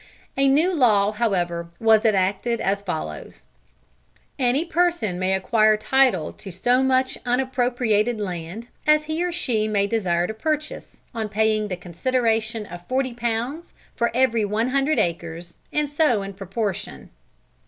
A new law however was enacted as follows: "Any person may acquire title to so much unappropriated land, as he or she may desire to purchase, on paying the consideration of forty pounds for every one hundred acres, and so in proportion."